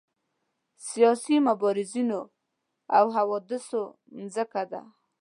سیاسي مبارزینو او حوادثو مځکه ده.